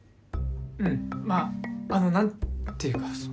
うんまああの何ていうかその。